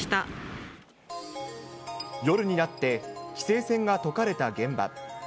夜になって、規制線が解かれた現場。